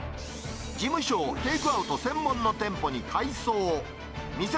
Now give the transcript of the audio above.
事務所をテイクアウト専門の店舗に改装。